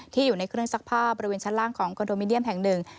อยู่ในเครื่องซักผ้าบริเวณชั้นล่างของคอนโดมิเนียมแห่งหนึ่ง